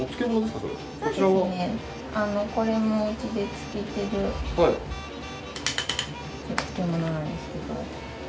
これもうちで漬けてる漬け物なんですけど。